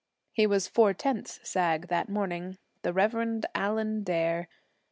He was four tenths sag that morning the Rev. Allan Dare.